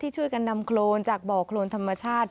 ช่วยกันนำโครนจากบ่อโครนธรรมชาติ